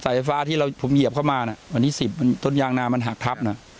ไฟฟ้าที่ผมเหยียบเข้ามาน่ะวันนี้สิบต้นยางนามันหักทับน่ะ